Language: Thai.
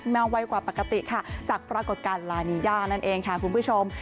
แววไวกว่าปกติค่ะจากปรากฏการณ์ลานีย่านั่นเองค่ะคุณผู้ชม